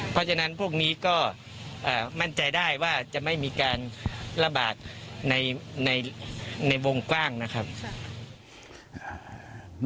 เพราะฉะนั้นพวกนี้ก็มั่นใจได้ว่าจะไม่มีการระบาดในวงกว้างนะครับ